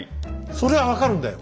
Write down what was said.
それは分かるんだよ